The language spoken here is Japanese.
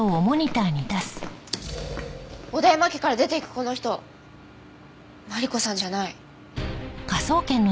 小田山家から出て行くこの人マリコさんじゃない。